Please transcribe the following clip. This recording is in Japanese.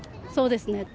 そうですね。